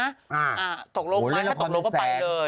อ่าอ่าตกลงมาถ้าตกลงก็ไปเลย